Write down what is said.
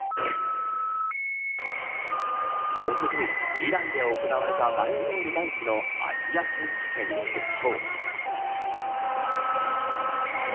おととい、イランで行われたバレーボール男子のアジア選手権決勝。